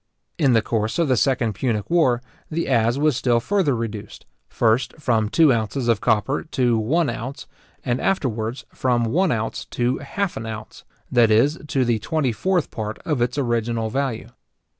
In the course of the second Punic war, the As was still further reduced, first, from two ounces of copper to one ounce, and afterwards from one ounce to half an ounce; that is, to the twenty fourth part of its original value.